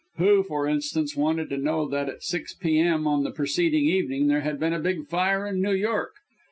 Who, for instance, wanted to know that at 6 p.m., on the preceding evening, there had been a big fire in New York?